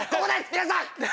皆さん！